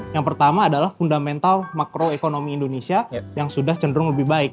yang pertama adalah fundamental makroekonomi indonesia yang sudah cenderung lebih baik